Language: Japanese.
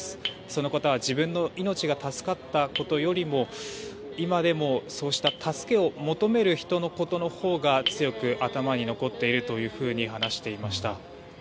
その方は自分の命が助かったことよりも今でも、そうした助けを求める人のことのほうが強く頭に残っていると話していました。